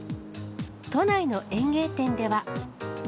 都内の園芸店では。